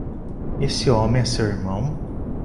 Esse homem é seu irmão?